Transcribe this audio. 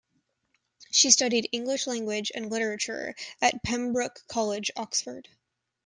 She studied English language and literature at Pembroke College, Oxford.